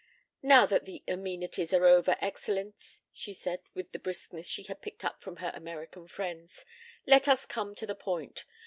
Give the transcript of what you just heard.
"Now that the amenities are over, Excellenz," she said with the briskness she had picked up from her American friends, "let us come to the point.